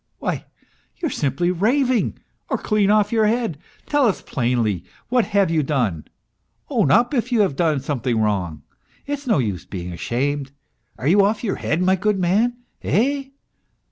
" Why, you are simply raving, or clean off your head ! Tell us plainly, what have you done ? Own up if you have done something wrong ! It's no use being ashamed ! Are you off your head, my good man, eh